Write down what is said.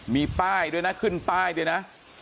มีป้ายด้วยนะขึ้นป้ายด้วยนะ